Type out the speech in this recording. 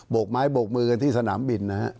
โบกไม้โบกมือที่สนามบินนะครับ